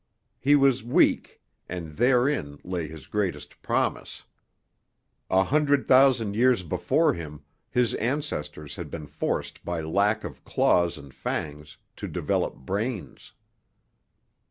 He was weak and therein lay his greatest promise. A hundred thousand years before him his ancestors had been forced by lack of claws and fangs to develop brains.